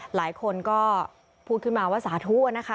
หลายคนก็พูดขึ้นมาว่าสาธุนะคะ